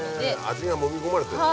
味が揉み込まれてんだ。